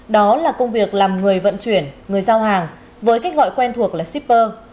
đó là công việc làm người vận chuyển người giao hàng với cách gọi quen thuộc là shipper